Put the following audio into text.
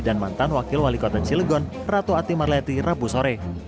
dan mantan wakil wali kota cilegon ratu ati marleti rabu sore